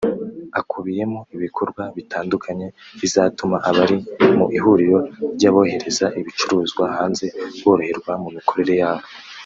Akubiyemo ibikorwa bitandukanye bizatuma abari mu ihuriro ry’abohereza ibicuruzwa hanze boroherwa mu mikorere yabo